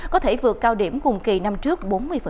có thể vượt cao điểm cùng kỳ năm trước bốn mươi